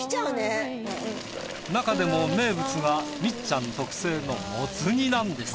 なかでも名物がみっちゃん特製のもつ煮なんです。